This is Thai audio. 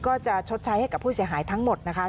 ชดใช้ให้กับผู้เสียหายทั้งหมดนะคะ